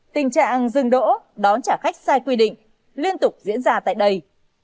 tình trạng dừng đỗ đón trả khách sai quy định liên tục diễn ra tại đây